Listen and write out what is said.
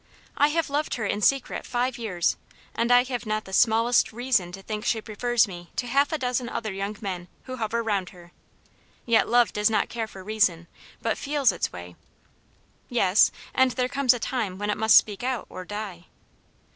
I have loved her in secret five years. And I have not the smallest reason to think she prefers me to half a dozen other young men who hover round her. Yet, love does not care for reason, hyit feels its wayV " Yes ; and there comes a time when it must speak out, or die."